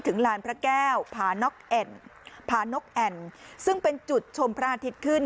ลานพระแก้วผานกแอ่นผานกแอ่นซึ่งเป็นจุดชมพระอาทิตย์ขึ้น